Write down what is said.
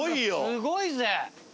すごいぜ。